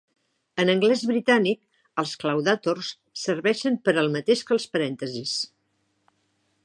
En anglès britànic, els claudàtors serveixen per al mateix que els parèntesis.